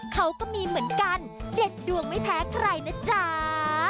เขาก็มีเหมือนกันเด็ดดวงไม่แพ้ใครนะจ๊ะ